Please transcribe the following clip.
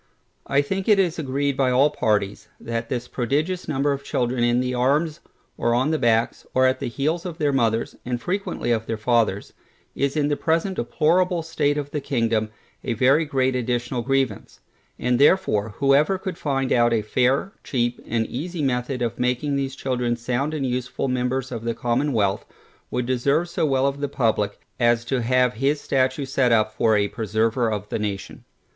I think it is agreed by all parties, that this prodigious number of children in the arms, or on the backs, or at the heels of their mothers, and frequently of their fathers, is in the present deplorable state of the kingdom, a very great additional grievance; and therefore whoever could find out a fair, cheap and easy method of making these children sound and useful members of the commonwealth, would deserve so well of the publick, as to have his statue set up for a preserver of the nation.